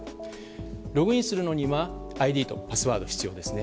ログインするのにはＩＤとパスワードが必要ですね。